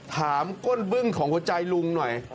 ก้นบึ้งของหัวใจลุงหน่อย